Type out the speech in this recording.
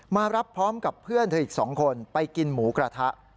มารับพร้อมกับเพื่อนเธออีก๒คนไปกินหมูกระทะ